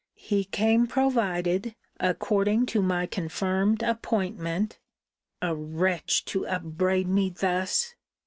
He came provided, according to my confirmed appointment,' [a wretch to upbraid me thus!